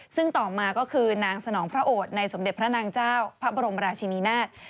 ซึ่งต่อมาก็คือนางสนองพระโอดในสมเด็จพระนางเจ้าพระบรมราชินินาศ